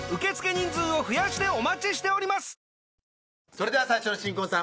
それでは最初の新婚さん